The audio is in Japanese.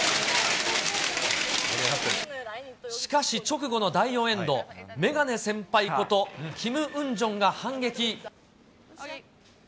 しかし直後の第４エンド、眼鏡先輩こと、キム・ウンジョンが反撃。